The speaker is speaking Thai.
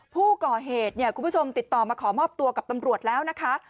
ผู้ก่อเหตุเนี่ยคุณผู้ชมติดต่อมาขอมอบตัวกับตำรวจแล้วนะคะ